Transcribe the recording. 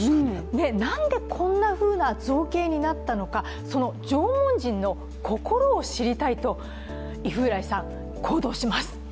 なんでこんなふうな造形になったのかその縄文人の心を知りたいと猪風来さん、行動します。